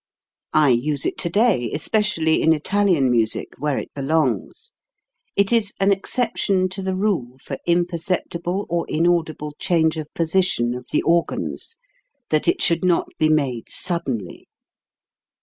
I use it to day, especially in Italian music, where it belongs. It is an exception to the rule for imperceptible or inaudible 156 HOW TO SING change of position of the organs, that it should not be made suddenly.